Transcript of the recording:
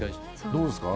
どうですか？